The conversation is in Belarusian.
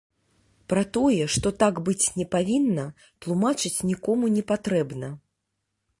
Пра тое, што так быць не павінна, тлумачыць нікому не патрэбна.